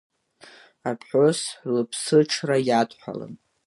Аԥҳәыс лыԥсыҽра иадҳәалан.